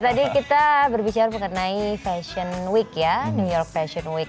tadi kita berbicara mengenai fashion week ya new york fashion week